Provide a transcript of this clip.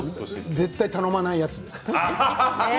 絶対に頼まないやつです。